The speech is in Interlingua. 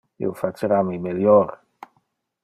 Io facera mi melior.